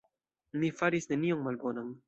Mi faris nenion malbonan.